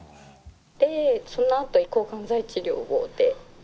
でそのあと抗がん剤治療で。